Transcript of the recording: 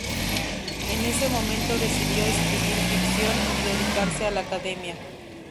En ese momento decidió escribir ficción y dedicarse a la academia.